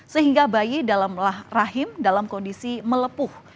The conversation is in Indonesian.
sehingga bayi dalam rahim dalam kondisi melepuh